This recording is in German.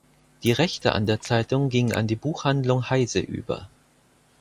Die Rechte an der Zeitung gingen an die Buchhandlung Heyse über.